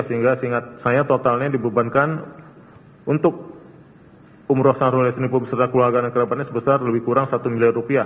sehingga saya totalnya dibebankan untuk umroh sang dulu yasi lipo beserta keluarga dan kerabatnya sebesar lebih kurang rp satu miliar